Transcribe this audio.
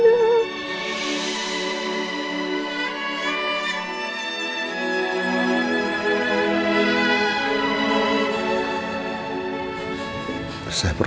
saya permisi dulu